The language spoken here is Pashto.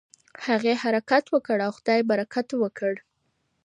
هغې حرکت وکړ او خدای برکت ورکړ.